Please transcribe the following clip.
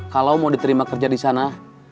kalau mau diterima kerja di sana